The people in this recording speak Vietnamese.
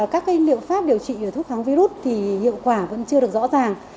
các liệu pháp điều trị thuốc kháng virus thì hiệu quả vẫn chưa được rõ ràng